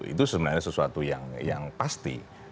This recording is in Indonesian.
itu sebenarnya sesuatu yang pasti